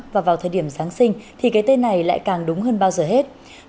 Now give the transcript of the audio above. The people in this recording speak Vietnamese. và vào thời điểm giáng sinh thì cái tên này lại càng nổi tiếng